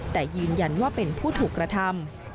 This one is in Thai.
แต่ยืนยันว่าเป็นผู้ถูกกระทำ